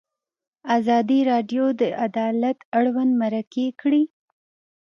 ازادي راډیو د عدالت اړوند مرکې کړي.